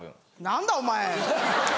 何だお前！